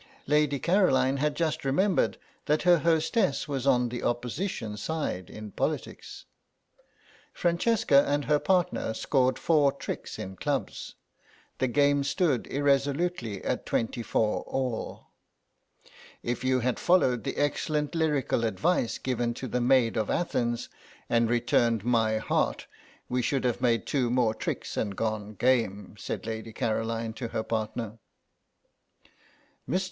Lady Caroline had just remembered that her hostess was on the Opposition side in politics. Francesca and her partner scored four tricks in clubs; the game stood irresolutely at twenty four all. "If you had followed the excellent lyrical advice given to the Maid of Athens and returned my heart we should have made two more tricks and gone game," said Lady Caroline to her partner. "Mr.